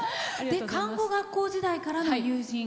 看護学校時代からの友人。